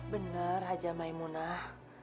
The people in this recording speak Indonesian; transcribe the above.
bener haji maimunah